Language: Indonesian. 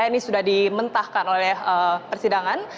ini sudah dimentahkan oleh persidangan